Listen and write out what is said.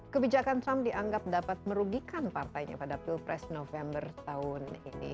kebijakan trump dianggap dapat merugikan partainya pada pilpres november tahun ini